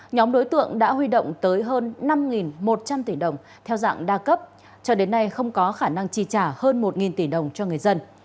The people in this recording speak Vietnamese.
nhóm đối tượng đã huy động tới hơn năm một trăm linh tỷ đồng theo dạng đa cấp cho đến nay không có khả năng chi trả hơn một tỷ đồng cho người dân